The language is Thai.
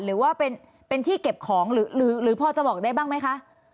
หรือว่าเป็นที่เก็บของหรือพอจะบอกได้บ้างไหมคะ